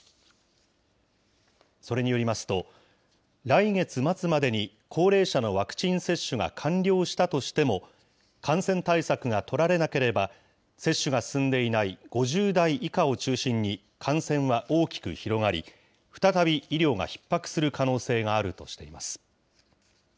それによりますと、来月末までに高齢者のワクチン接種が完了したとしても、感染対策が取られなければ、接種が進んでいない５０代以下を中心に、感染は大きく広がり、再び医療がひっ迫する可能性があるとしています。